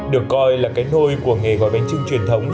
được coi là cái nôi của nghề gỏi bánh chưng truyền thống